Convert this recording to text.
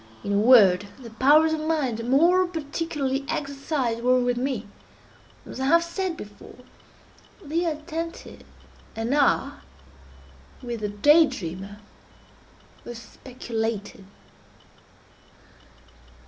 In a word, the powers of mind more particularly exercised were, with me, as I have said before, the attentive, and are, with the day dreamer, the speculative.